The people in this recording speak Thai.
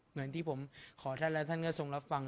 เหมือนที่ผมขอท่านแล้วท่านก็ทรงรับฟัง